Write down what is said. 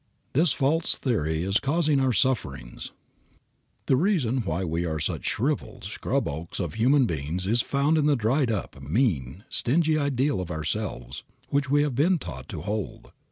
This false theory is the cause of our sufferings. The reason why we are such shriveled, scrub oaks of human beings is found in the dried up, mean, stingy ideal of ourselves which we have been taught to hold.